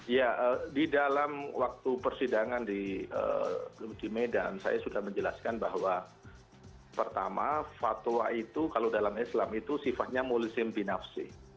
ya di dalam waktu persidangan di medan saya sudah menjelaskan bahwa pertama fatwa itu kalau dalam islam itu sifatnya mulisin binafsi